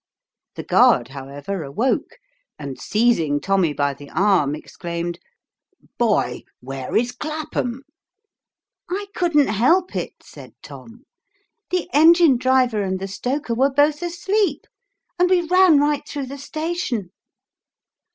The guard, however, awoke, and seizing Tommy by the arm exclaimed, " Boy ! where is Clappum ?" "I couldn't help it," said Tom ; "the engine driver and the stoker were both asleep, and we ran right through the station."